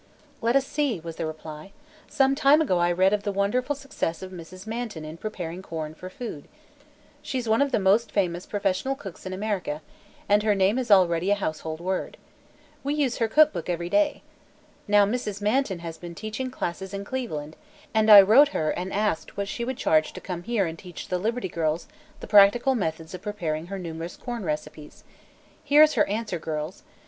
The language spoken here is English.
"Let us see," was the reply. "Some time ago I read of the wonderful success of Mrs. Manton in preparing corn for food. She's one of the most famous professional cooks in America and her name is already a household word. We use her cook book every day. Now, Mrs. Manton has been teaching classes in Cleveland, and I wrote her and asked what she would charge to come here and teach the Liberty Girls the practical methods of preparing her numerous corn recipes. Here's her answer, girls.